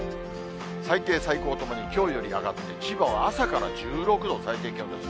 最低最高ともにきょうより上がって、千葉は朝から１６度、最低気温です。